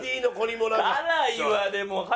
辛いわでも。